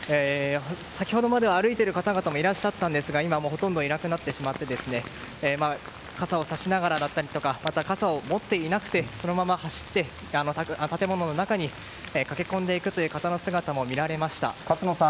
先ほどまでは歩いている方々もいらっしゃったんですが今はほとんどいなくなってしまって傘をさしながらだったりとか傘を持っていなくてそのまま走って、建物の中に駆け込んでいく方の姿も見られました。